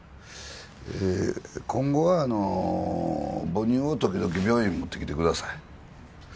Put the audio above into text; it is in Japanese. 今後はあの母乳を時々病院に持ってきてください